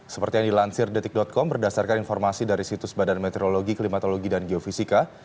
seperti yang dilansir detik com berdasarkan informasi dari situs badan meteorologi klimatologi dan geofisika